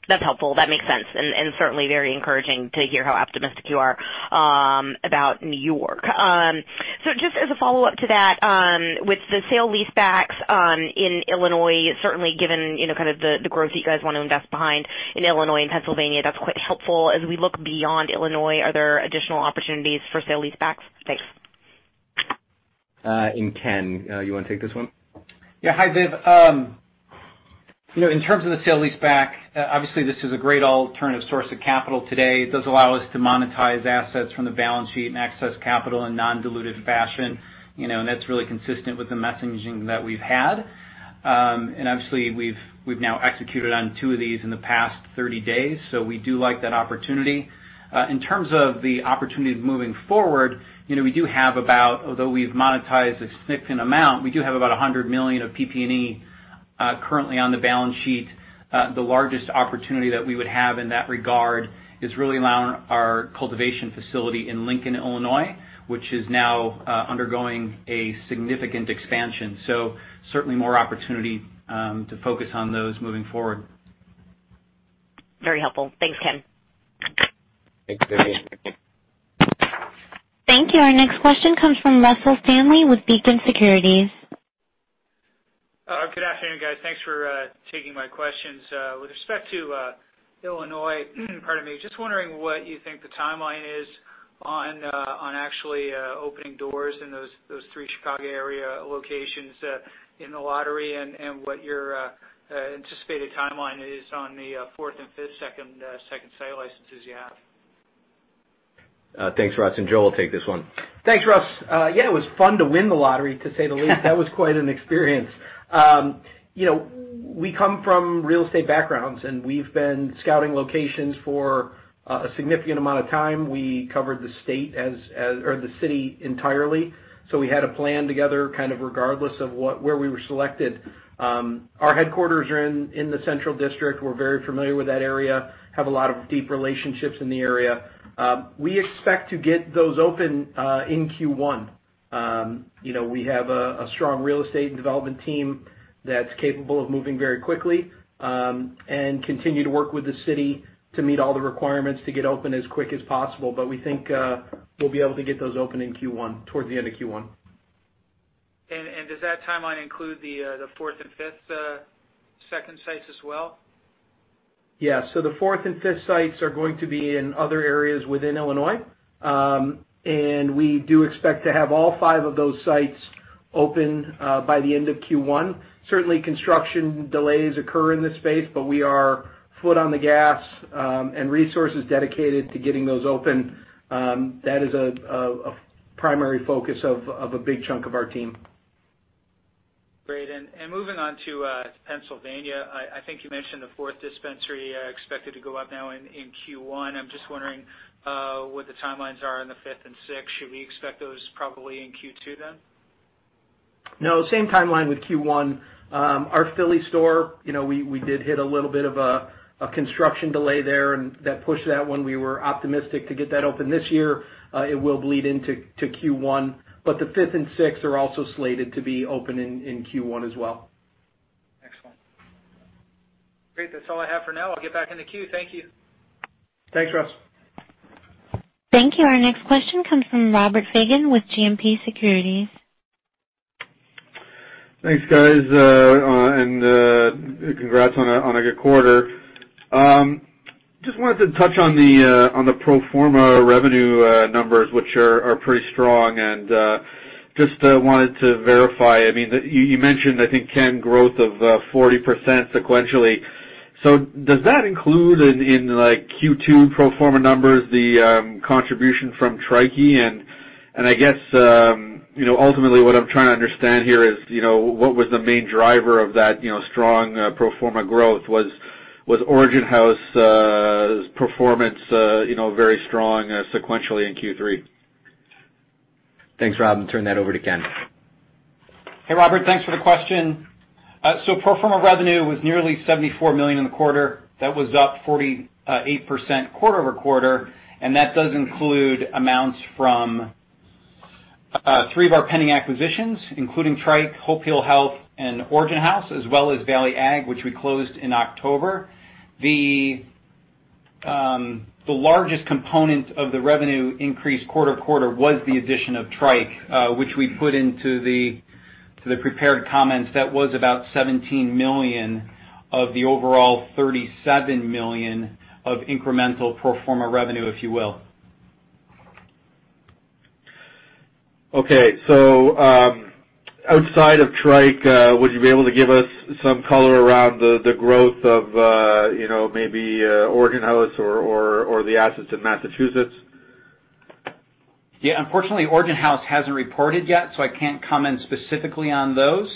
That's helpful. That makes sense, and certainly very encouraging to hear how optimistic you are about New York. So just as a follow-up to that, with the sale-leasebacks in Illinois, certainly given you know kind of the growth that you guys want to invest behind in Illinois and Pennsylvania, that's quite helpful. As we look beyond Illinois, are there additional opportunities for sale-leasebacks? Thanks. And Ken, you want to take this one? Yeah. Hi, Viv. You know, in terms of the sale-leaseback, obviously this is a great alternative source of capital today. It does allow us to monetize assets from the balance sheet and access capital in non-dilutive fashion, you know, and that's really consistent with the messaging that we've had, and obviously, we've now executed on two of these in the past thirty days, so we do like that opportunity. In terms of the opportunity moving forward, you know, Although we've monetized a significant amount, we do have about $100 million of PP&E currently on the balance sheet. The largest opportunity that we would have in that regard is really around our cultivation facility in Lincoln, Illinois, which is now undergoing a significant expansion. So certainly more opportunity to focus on those moving forward. Very helpful. Thanks, Ken. Thanks, Vivien. Thank you. Our next question comes from Russell Stanley with Beacon Securities. Good afternoon, guys. Thanks for taking my questions. With respect to Illinois, pardon me, just wondering what you think the timeline is on actually opening doors in those three Chicago area locations in the lottery, and what your anticipated timeline is on the fourth and fifth, second sale licenses you have. Thanks, Russ, and Joe will take this one. Thanks, Russ. Yeah, it was fun to win the lottery, to say the least. That was quite an experience. You know, we come from real estate backgrounds, and we've been scouting locations for a significant amount of time. We covered the state or the city entirely, so we had a plan together, kind of, regardless of what, where we were selected. Our headquarters are in the Central District. We're very familiar with that area, have a lot of deep relationships in the area. We expect to get those open in Q1. You know, we have a strong real estate and development team that's capable of moving very quickly, and continue to work with the city to meet all the requirements to get open as quick as possible. But we think we'll be able to get those open in Q1, towards the end of Q1. Does that timeline include the fourth and fifth second sites as well? Yeah. So the fourth and fifth sites are going to be in other areas within Illinois. And we do expect to have all five of those sites open by the end of Q1. Certainly, construction delays occur in this space, but we are foot on the gas and resources dedicated to getting those open. That is a primary focus of a big chunk of our team. Great. And moving on to Pennsylvania, I think you mentioned the fourth dispensary expected to go up now in Q1. I'm just wondering what the timelines are on the fifth and sixth. Should we expect those probably in Q2 then? No, same timeline with Q1. Our Philly store, you know, we did hit a little bit of a construction delay there, and that pushed that one. We were optimistic to get that open this year. It will bleed into Q1, but the fifth and sixth are also slated to be open in Q1 as well. Excellent. Great, that's all I have for now. I'll get back in the queue. Thank you. Thanks, Russ. Thank you. Our next question comes from Robert Fagan with GMP Securities. Thanks, guys, and congrats on a good quarter. Just wanted to touch on the pro forma revenue numbers, which are pretty strong, and just wanted to verify, I mean, you mentioned, I think, Ken, growth of 40% sequentially. So does that include in, like, Q2 pro forma numbers, the contribution from Tryke? I guess, you know, ultimately, what I'm trying to understand here is, you know, what was the main driver of that, you know, strong pro forma growth? Was Origin House performance, you know, very strong sequentially in Q3? Thanks, Rob, and turn that over to Ken. Hey, Robert, thanks for the question. So pro forma revenue was nearly $74 million in the quarter. That was up 48% quarter over quarter, and that does include amounts from three of our pending acquisitions, including Tryke, Hope Heal Health, and Origin House, as well as Valley Ag, which we closed in October. The largest component of the revenue increase quarter to quarter was the addition of Tryke, which we put into the prepared comments. That was about $17 million of the overall $37 million of incremental pro forma revenue, if you will. Okay. So, outside of Tryke, would you be able to give us some color around the growth of, you know, maybe Origin House or the assets in Massachusetts? Yeah, unfortunately, Origin House hasn't reported yet, so I can't comment specifically on those.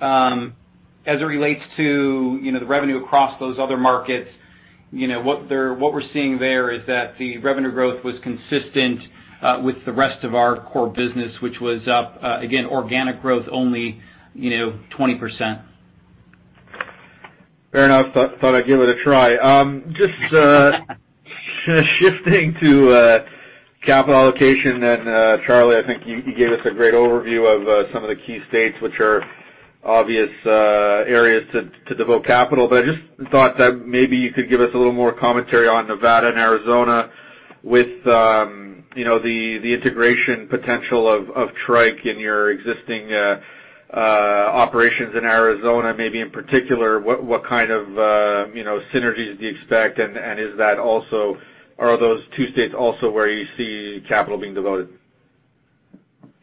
As it relates to, you know, the revenue across those other markets, you know, what we're seeing there is that the revenue growth was consistent with the rest of our core business, which was up, again, organic growth only, you know, 20%. Fair enough. Thought I'd give it a try. Just shifting to capital allocation, and Charlie, I think you gave us a great overview of some of the key states, which are obvious areas to devote capital. But I just thought that maybe you could give us a little more commentary on Nevada and Arizona with, you know, the integration potential of Tryke in your existing operations in Arizona. Maybe in particular, what kind of, you know, synergies do you expect? And is that also are those two states also where you see capital being devoted?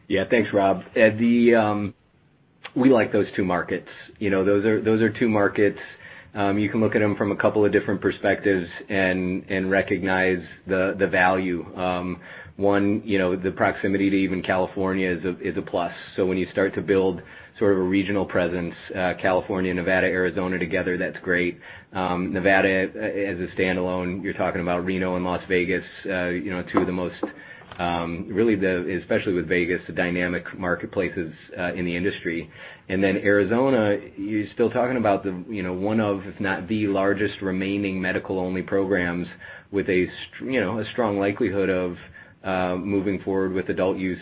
Yeah. Thanks, Rob. We like those two markets. You know, those are two markets you can look at them from a couple of different perspectives and recognize the value. One, you know, the proximity to even California is a plus. So when you start to build sort of a regional presence, California, Nevada, Arizona together, that's great. Nevada, as a standalone, you're talking about Reno and Las Vegas, you know, two of the most, really the, especially with Vegas, the dynamic marketplaces in the industry. And then Arizona, you're still talking about the, you know, one of, if not the largest remaining medical-only programs with a strong likelihood of moving forward with adult use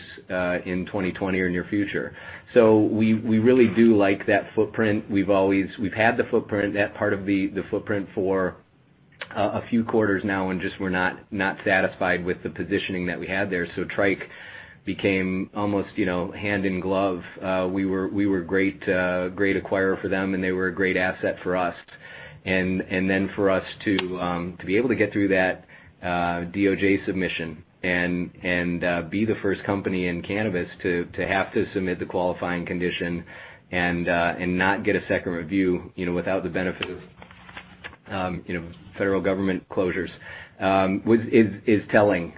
in 2020 or near future. So we really do like that footprint. We've always had the footprint, that part of the footprint for a few quarters now, and just we're not satisfied with the positioning that we had there. So Tryke became almost, you know, hand in glove. We were great acquirer for them, and they were a great asset for us. And then for us to be able to get through that DOJ submission and be the first company in cannabis to have to submit the qualifying condition and not get a second request, you know, without the benefit of, you know, federal government closures, is telling.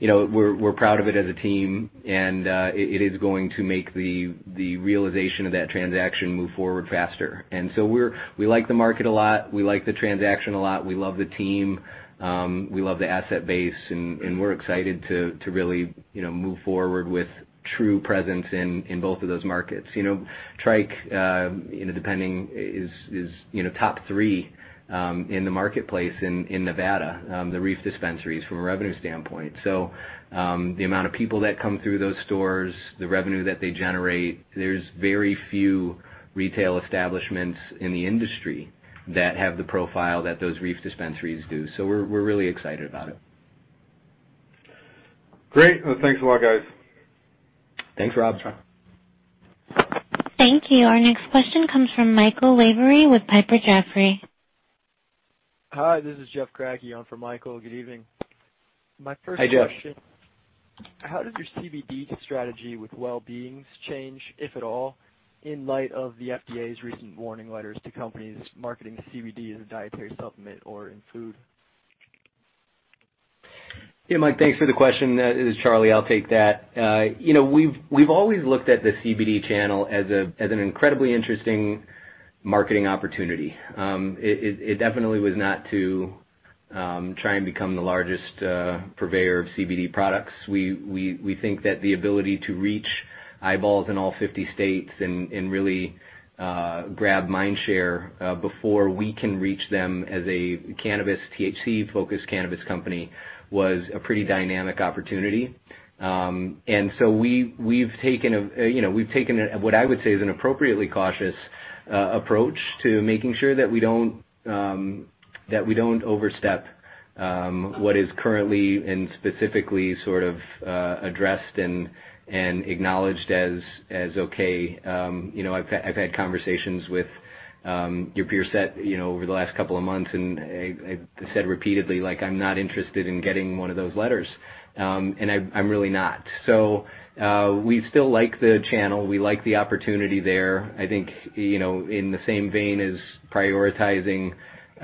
You know, we're proud of it as a team, and it is going to make the realization of that transaction move forward faster. So we like the market a lot. We like the transaction a lot. We love the team. We love the asset base, and we're excited to really, you know, move forward with true presence in both of those markets. You know, Tryke is top three in the marketplace in Nevada, the Reef Dispensaries from a revenue standpoint. So the amount of people that come through those stores, the revenue that they generate, there's very few retail establishments in the industry that have the profile that those Reef Dispensaries do. So we're really excited about it. Great. Well, thanks a lot, guys. Thanks, Rob. Thanks. Thank you. Our next question comes from Michael Lavery with Piper Jaffray. Hi, this is Jeff Kragel on for Michael. Good evening. My first question. Hi, Jeff. How does your CBD strategy with Well Beings change, if at all, in light of the FDA's recent warning letters to companies marketing CBD as a dietary supplement or in food? Yeah, Mike, thanks for the question. It is Charlie, I'll take that. You know, we've always looked at the CBD channel as an incredibly interesting marketing opportunity. It definitely was not to try and become the largest purveyor of CBD products. We think that the ability to reach eyeballs in all fifty states and really grab mind share before we can reach them as a cannabis THC-focused cannabis company was a pretty dynamic opportunity. And so we've taken a, you know, what I would say is an appropriately cautious approach to making sure that we don't overstep what is currently and specifically sort of addressed and acknowledged as okay. You know, I've had conversations with your peer set, you know, over the last couple of months, and I've said repeatedly, like, I'm not interested in getting one of those letters. And I'm really not. So we still like the channel. We like the opportunity there. I think, you know, in the same vein as prioritizing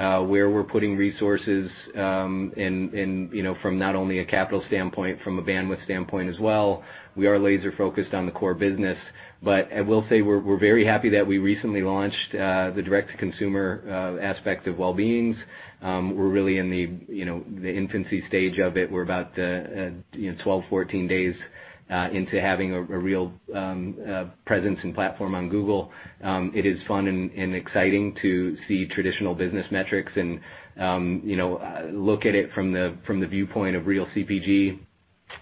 where we're putting resources, in you know, from not only a capital standpoint, from a bandwidth standpoint as well, we are laser focused on the core business. But I will say we're very happy that we recently launched the direct-to-consumer aspect of Wellbeings. We're really in the you know, the infancy stage of it. We're about you know, 12, 14 days into having a real presence and platform on Google. It is fun and exciting to see traditional business metrics and you know, look at it from the viewpoint of real CPG.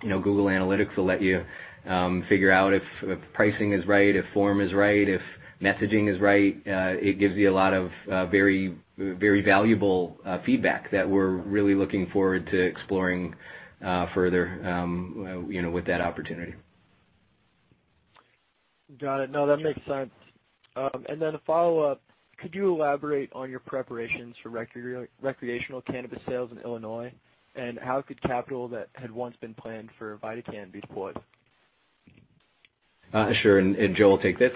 You know, Google Analytics will let you figure out if pricing is right, if form is right, if messaging is right. It gives you a lot of very, very valuable feedback that we're really looking forward to exploring further, you know, with that opportunity. Got it. No, that makes sense. And then a follow-up: could you elaborate on your preparations for recreational cannabis sales in Illinois, and how could capital that had once been planned for VidaCann be deployed? Sure, and Joe will take this.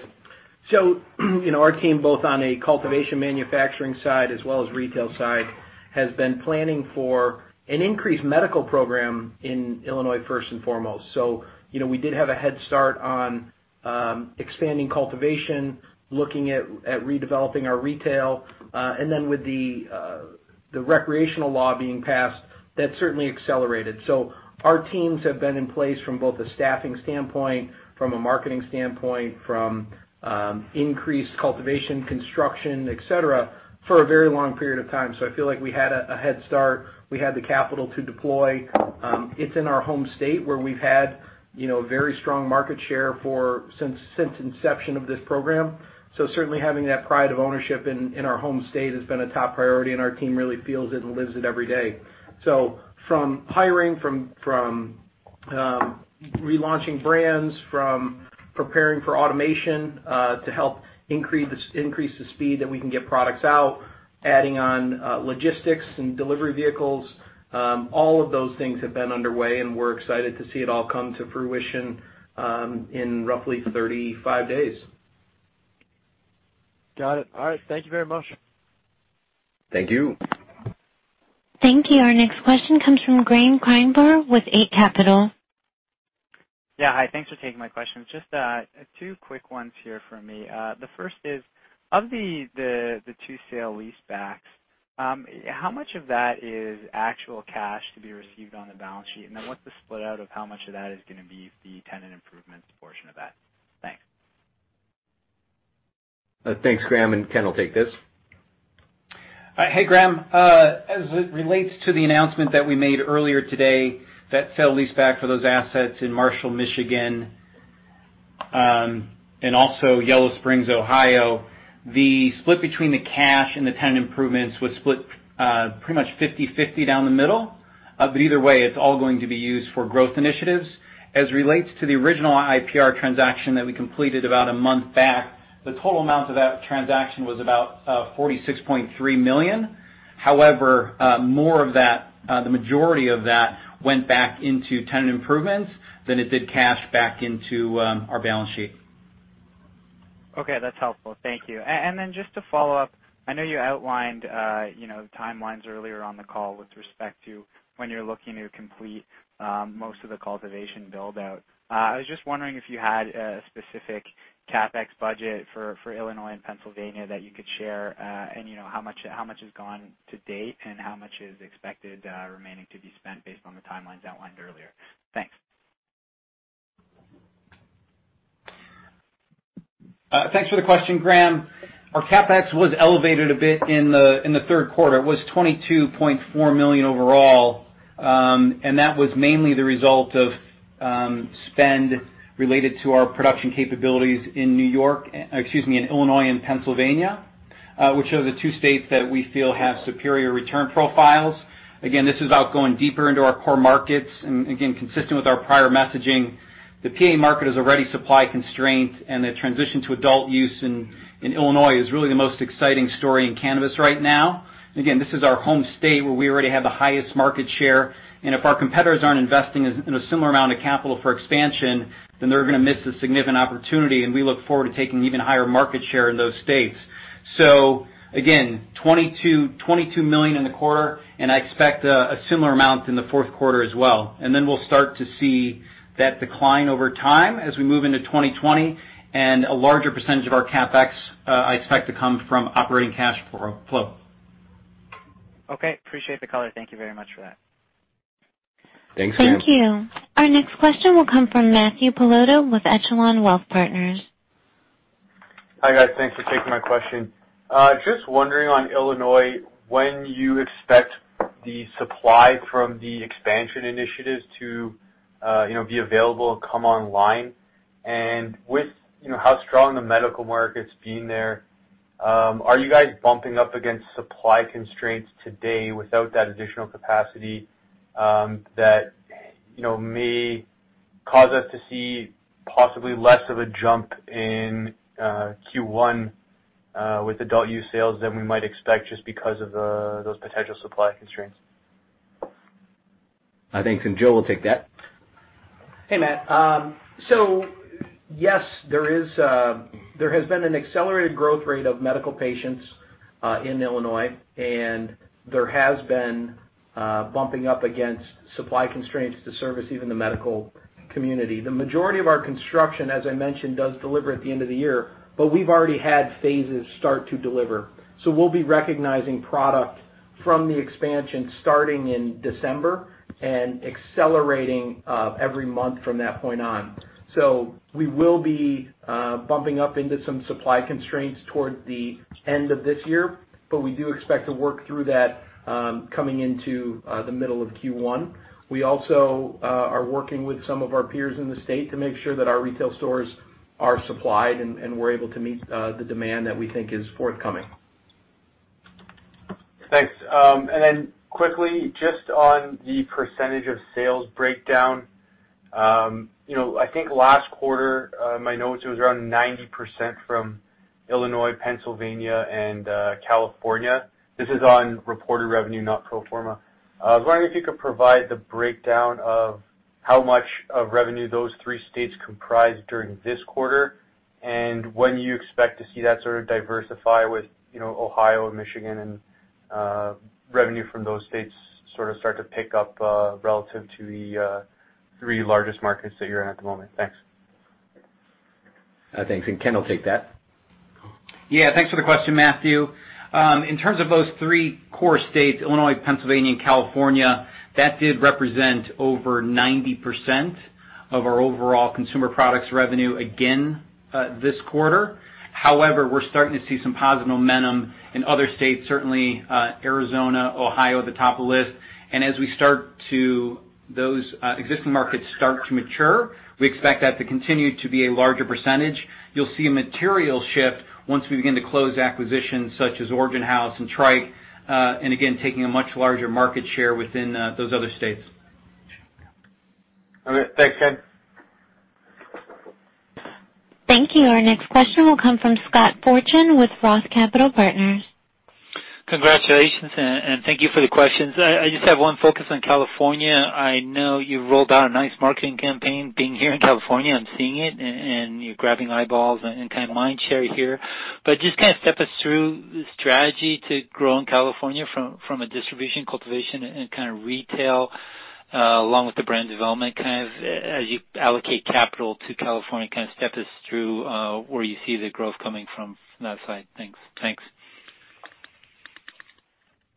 So, you know, our team, both on a cultivation manufacturing side as well as retail side, has been planning for an increased medical program in Illinois, first and foremost. So, you know, we did have a head start on expanding cultivation, looking at redeveloping our retail, and then with the recreational law being passed, that certainly accelerated. So our teams have been in place from both a staffing standpoint, from a marketing standpoint, from increased cultivation, construction, etc, for a very long period of time. So I feel like we had a head start. We had the capital to deploy. It's in our home state, where we've had, you know, very strong market share for since inception of this program. So certainly having that pride of ownership in our home state has been a top priority, and our team really feels it and lives it every day. So from hiring, from relaunching brands, from preparing for automation to help increase the speed that we can get products out, adding on logistics and delivery vehicles, all of those things have been underway, and we're excited to see it all come to fruition in roughly 35 days. Got it. All right. Thank you very much. Thank you. Thank you. Our next question comes from Graeme Kreindler with Eight Capital. Yeah. Hi, thanks for taking my questions. Just two quick ones here for me. The first is, of the two sale-leasebacks, how much of that is actual cash to be received on the balance sheet? And then what's the split out of how much of that is gonna be the tenant improvements portion of that? Thanks. Thanks, Graeme, and Ken will take this. Hey, Graeme. As it relates to the announcement that we made earlier today, that sale-leaseback for those assets in Marshall, Michigan, and also Yellow Springs, Ohio, the split between the cash and the tenant improvements was split, pretty much fifty-fifty down the middle. But either way, it's all going to be used for growth initiatives. As it relates to the original IIPR transaction that we completed about a month back, the total amount of that transaction was about $46.3 million. However, more of that, the majority of that went back into tenant improvements than it did cash back into our balance sheet. Okay, that's helpful. Thank you. And then just to follow up, I know you outlined, you know, timelines earlier on the call with respect to when you're looking to complete most of the cultivation build-out. I was just wondering if you had a specific CapEx budget for Illinois and Pennsylvania that you could share, and you know, how much has gone to date and how much is expected remaining to be spent based on the timelines outlined earlier? Thanks. Thanks for the question, Graeme. Our CapEx was elevated a bit in the third quarter. It was $22.4 million overall, and that was mainly the result of spend related to our production capabilities in New York, excuse me, in Illinois and Pennsylvania, which are the two states that we feel have superior return profiles. Again, this is about going deeper into our core markets, and again, consistent with our prior messaging. The PA market is already supply constrained, and the transition to adult use in Illinois is really the most exciting story in cannabis right now. Again, this is our home state, where we already have the highest market share, and if our competitors aren't investing in a similar amount of capital for expansion, then they're gonna miss a significant opportunity, and we look forward to taking even higher market share in those states. So again, $22 million in the quarter, and I expect a similar amount in the fourth quarter as well. And then we'll start to see that decline over time as we move into 2020, and a larger percentage of our CapEx I expect to come from operating cash flow. Okay, appreciate the color. Thank you very much for that. Thanks, Dan. Thank you. Our next question will come from Matthew Pallotta with Echelon Wealth Partners. Hi, guys. Thanks for taking my question. Just wondering on Illinois, when you expect the supply from the expansion initiatives to, you know, be available and come online? And with, you know, how strong the medical market's been there, are you guys bumping up against supply constraints today without that additional capacity, that, you know, may cause us to see possibly less of a jump in, Q1, with adult use sales than we might expect just because of, those potential supply constraints? I think Joe will take that. Hey, Matt. So yes, there is, there has been an accelerated growth rate of medical patients in Illinois, and there has been bumping up against supply constraints to service even the medical community. The majority of our construction, as I mentioned, does deliver at the end of the year, but we've already had phases start to deliver. So we'll be recognizing product from the expansion starting in December and accelerating every month from that point on. So we will be bumping up into some supply constraints toward the end of this year, but we do expect to work through that coming into the middle of Q1. We also are working with some of our peers in the state to make sure that our retail stores are supplied and we're able to meet the demand that we think is forthcoming. Thanks, and then quickly, just on the percentage of sales breakdown, you know, I think last quarter, my notes, it was around 90% from Illinois, Pennsylvania, and California. This is on reported revenue, not pro forma. I was wondering if you could provide the breakdown of how much of revenue those three states comprised during this quarter, and when you expect to see that sort of diversify with, you know, Ohio and Michigan and revenue from those states sort of start to pick up, relative to the three largest markets that you're in at the moment? Thanks. Thanks, and Ken will take that. Yeah, thanks for the question, Matthew. In terms of those three core states, Illinois, Pennsylvania, and California, that did represent over 90% of our overall consumer products revenue again, this quarter. However, we're starting to see some positive momentum in other states, certainly Arizona, Ohio, at the top of the list. As those existing markets start to mature, we expect that to continue to be a larger percentage. You'll see a material shift once we begin to close acquisitions such as Origin House and Tryke, and again, taking a much larger market share within those other states. Okay. Thanks, Ken. Thank you. Our next question will come from Scott Fortune with Roth Capital Partners. Congratulations, and thank you for the questions. I just have one focus on California. I know you rolled out a nice marketing campaign. Being here in California, I'm seeing it, and you're grabbing eyeballs and kind of mind share here. But just kind of step us through the strategy to grow in California from a distribution, cultivation, and kind of retail, along with the brand development, kind of as you allocate capital to California, kind of step us through where you see the growth coming from on that side. Thanks.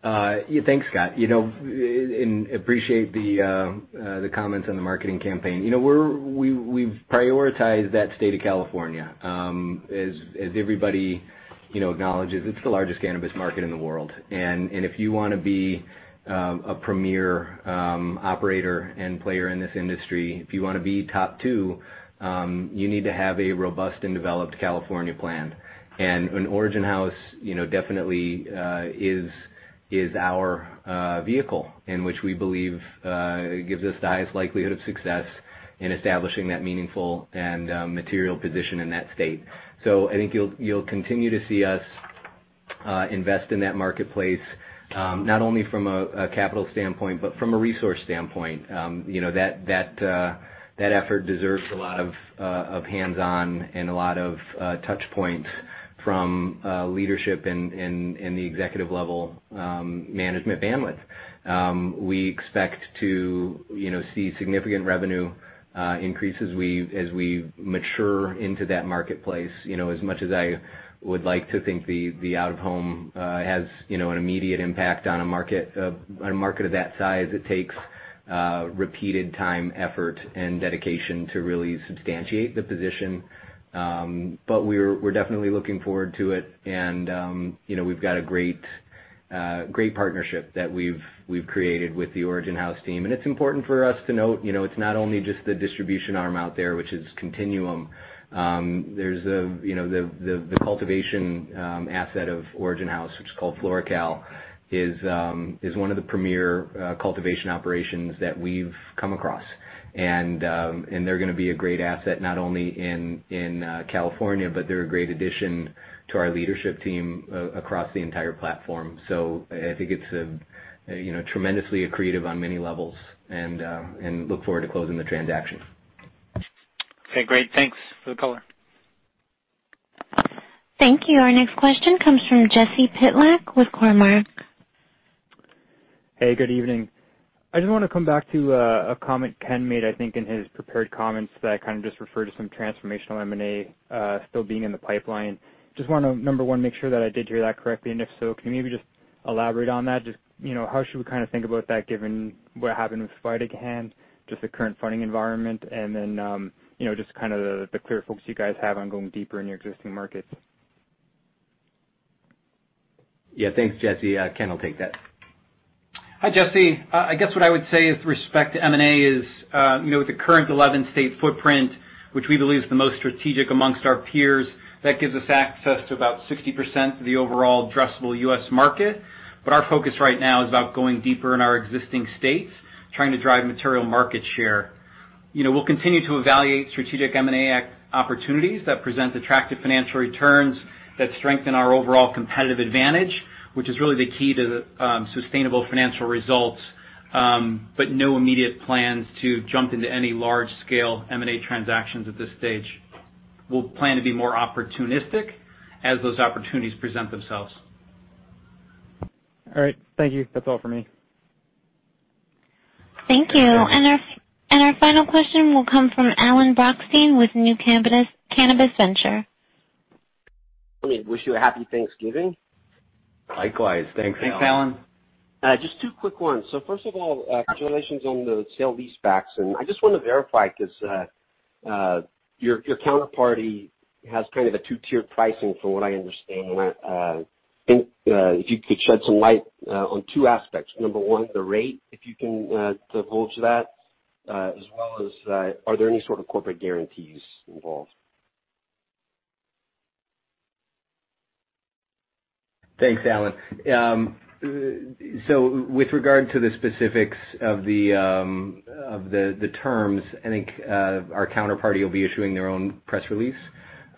Yeah, thanks, Scott. You know, and appreciate the comments on the marketing campaign. You know, we've prioritized that state of California. As everybody, you know, acknowledges, it's the largest cannabis market in the world. And if you want to be a premier operator and player in this industry, if you want to be top two, you need to have a robust and developed California plan. And in Origin House, you know, definitely is our vehicle in which we believe gives us the highest likelihood of success in establishing that meaningful and material position in that state. So I think you'll continue to see us invest in that marketplace, not only from a capital standpoint, but from a resource standpoint. You know, that effort deserves a lot of hands-on and a lot of touch points from leadership and the executive level management bandwidth. We expect to, you know, see significant revenue increase as we mature into that marketplace. You know, as much as I would like to think the out-of-home has, you know, an immediate impact on a market of that size, it takes repeated time, effort, and dedication to really substantiate the position. But we're definitely looking forward to it and, you know, we've got a great great partnership that we've created with the Origin House team. It's important for us to note, you know, it's not only just the distribution arm out there, which is Continuum. There's a, you know, the cultivation asset of Origin House, which is called FloraCal, is one of the premier cultivation operations that we've come across. And they're gonna be a great asset, not only in California, but they're a great addition to our leadership team across the entire platform. So I think it's a you know, tremendously accretive on many levels, and look forward to closing the transaction. Okay, great. Thanks for the color. Thank you. Our next question comes from Jesse Pytlak with Cormark. Hey, good evening. I just want to come back to a comment Ken made, I think, in his prepared comments that kind of just referred to some transformational M&A still being in the pipeline. Just want to, number one, make sure that I did hear that correctly, and if so, can you maybe just elaborate on that? Just, you know, how should we kind of think about that, given what happened with VidaCann, just the current funding environment, and then, you know, just kind of the clear focus you guys have on going deeper in your existing markets? Yeah, thanks, Jesse. Ken will take that. Hi, Jesse. I guess what I would say with respect to M&A is, you know, with the current eleven-state footprint, which we believe is the most strategic among our peers, that gives us access to about 60% of the overall addressable U.S. market. But our focus right now is about going deeper in our existing states, trying to drive material market share. You know, we'll continue to evaluate strategic M&A opportunities that present attractive financial returns, that strengthen our overall competitive advantage, which is really the key to sustainable financial results, but no immediate plans to jump into any large-scale M&A transactions at this stage. We'll plan to be more opportunistic as those opportunities present themselves. All right. Thank you. That's all for me. Thank you, and our final question will come from Alan Brochstein with New Cannabis Ventures. Let me wish you a happy Thanksgiving. Likewise, thanks, Alan. Thanks, Alan. Just two quick ones. So first of all, congratulations on the sale-leasebacks. And I just want to verify, because your counterparty has kind of a two-tiered pricing, from what I understand. And if you could shed some light on two aspects. Number one, the rate, if you can divulge that, as well as, are there any sort of corporate guarantees involved? Thanks, Alan. So with regard to the specifics of the terms, I think our counterparty will be issuing their own press release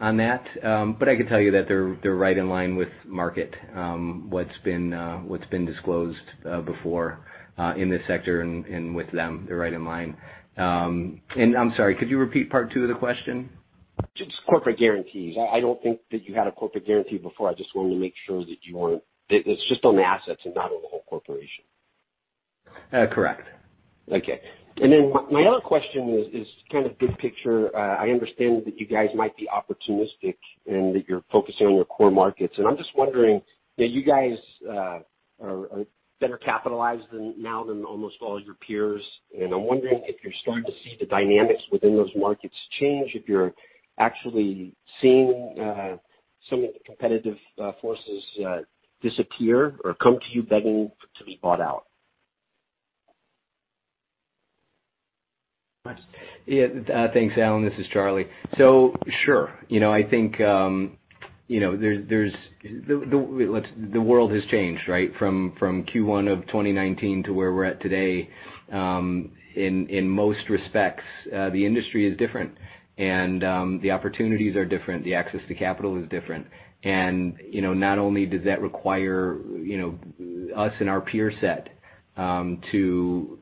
on that. But I can tell you that they're right in line with market, what's been disclosed before, in this sector and with them, they're right in line, and I'm sorry, could you repeat part two of the question? Just corporate guarantees. I don't think that you had a corporate guarantee before. I just wanted to make sure that you weren't. It's just on the assets and not on the whole corporation. Uh, correct. Okay. And then my other question is kind of big picture. I understand that you guys might be opportunistic and that you're focusing on your core markets. And I'm just wondering that you guys are better capitalized now than almost all your peers. And I'm wondering if you're starting to see the dynamics within those markets change, if you're actually seeing some of the competitive forces disappear or come to you begging to be bought out. Yeah, thanks, Alan. This is Charlie. So sure, you know, I think, you know, there's. The world has changed, right? From Q1 of 2019 to where we're at today, in most respects, the industry is different and the opportunities are different, the access to capital is different. You know, not only does that require, you know, us and our peer set to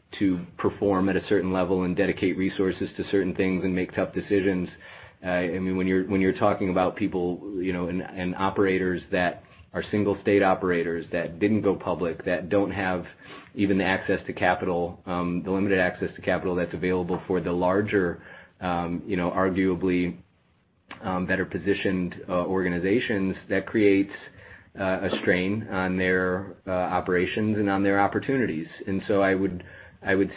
perform at a certain level and dedicate resources to certain things and make tough decisions. I mean, when you're talking about people, you know, and operators that are single state operators that didn't go public that don't have even the access to capital, the limited access to capital that's available for the larger, you know, arguably, better positioned organizations, that creates a strain on their operations and on their opportunities. So I would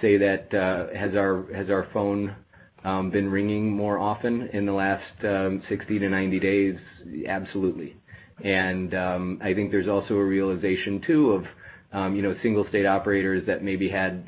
say that, has our phone been ringing more often in the last 60-90 days? Absolutely. I think there's also a realization, too, of you know single state operators that maybe had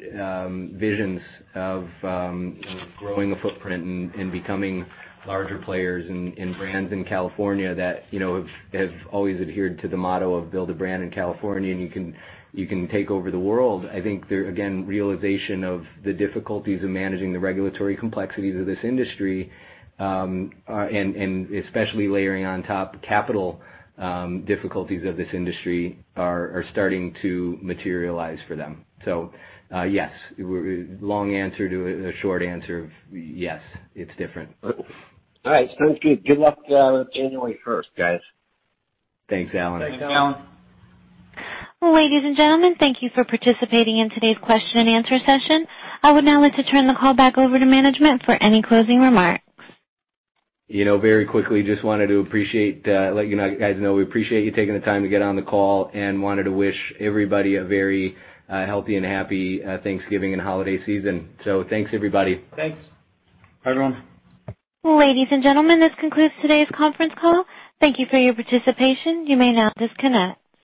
visions of you know growing a footprint and becoming larger players in brands in California that you know have always adhered to the motto of build a brand in California, and you can you can take over the world. I think there again realization of the difficulties of managing the regulatory complexities of this industry and especially layering on top capital difficulties of this industry are starting to materialize for them. Yes, long answer to a short answer of yes, it's different. All right. Sounds good. Good luck, January first, guys. Thanks, Alan. Thanks, Alan. Ladies and gentlemen, thank you for participating in today's question and answer session. I would now like to turn the call back over to management for any closing remarks. You know, very quickly, just wanted to appreciate, let you know, guys know, we appreciate you taking the time to get on the call and wanted to wish everybody a very, healthy and happy, Thanksgiving and holiday season. So thanks, everybody. Thanks. Bye, everyone. Ladies and gentlemen, this concludes today's conference call. Thank you for your participation. You may now disconnect.